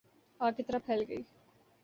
آگ کی طرح پھیل گئی